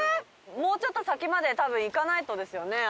もうちょっと先まで多分行かないとですよね歩いて。